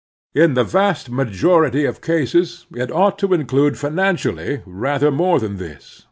In the vast majority of cases it ought to include financially rather more than this.